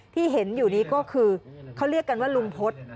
ที่เห็นอยู่นี้ก็คือเขาเรียกกันว่าลุงพฤษ